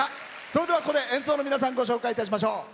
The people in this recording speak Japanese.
それではここで演奏の皆さんご紹介しましょう。